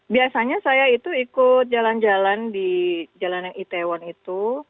biasanya saya itu ikut jalan jalan di jalanan itaewon itu